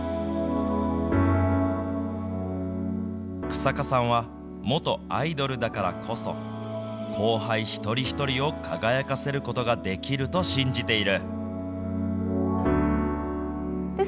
日下さんは元アイドルだからこそ、後輩一人一人を輝かせることができると信じている。